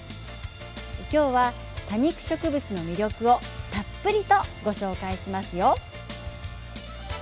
今日は、多肉植物の魅力をたっぷりとご紹介しますよ。